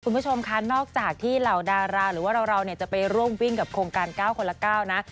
คุณผู้ชมค่ะนอกจากที่เหล่าดาราหรือว่าเราเนี่ยจะไปร่วมวิ่งกับโครงการ๙คนละ๙นะ